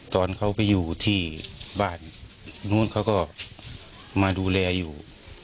ตอนเขาไปอยู่ที่บ้านนู้นเขาก็มาดูแลอยู่